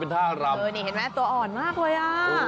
เห็นไหมตัวอ่อนมากเลยอ่ะ